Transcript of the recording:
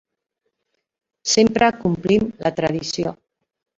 Sempre complim la tradició.